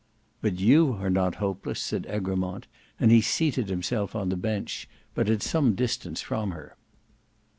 "But you are not hopeless," said Egremont, and he seated himself on the bench, but at some distance from her.